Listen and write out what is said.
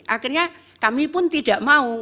akhirnya kami pun tidak mau